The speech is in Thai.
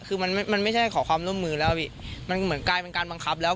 คือมันมันไม่ใช่ขอความร่วมมือแล้วพี่มันเหมือนกลายเป็นการบังคับแล้ว